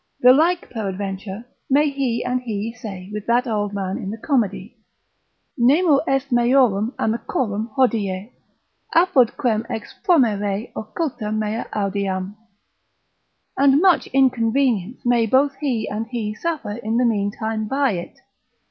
The like, peradventure, may he and he say with that old man in the comedy, Nemo est meorum amicorum hodie, Apud quem expromere occulta mea audeam. and much inconvenience may both he and he suffer in the meantime by it.